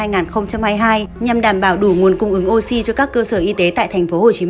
nhằm đảm bảo đủ nguồn cung ứng oxy cho các cơ sở y tế tại tp hcm